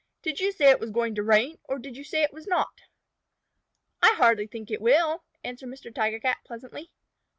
"Did you say it was going to rain, or did you say it was not?" "I hardly think it will," answered Mr. Tiger Cat pleasantly.